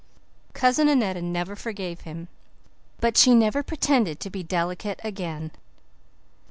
"Cousin Annetta never forgave him, but she never pretended to be delicate again."